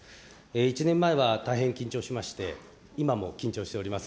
１年前は大変緊張しまして、今も緊張しております。